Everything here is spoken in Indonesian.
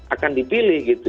akan dipilih gitu